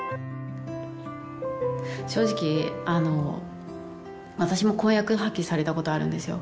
正直私も婚約破棄されたことあるんですよ